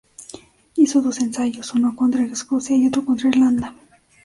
Hizo dos ensayos, uno contra Escocia y otro contra Irlanda.